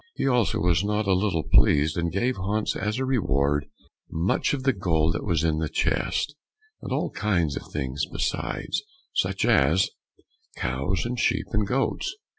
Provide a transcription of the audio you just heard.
He also was not a little pleased, and gave Hans as a reward much of the gold that was in the chest, and all kinds of things besides, such as cows, and sheep, and goats.